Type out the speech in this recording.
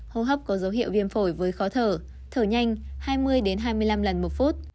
hô hấp có dấu hiệu viêm phổi với khó thở thở nhanh hai mươi hai mươi năm lần một phút